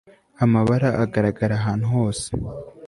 Amabara agaragara ahantu hose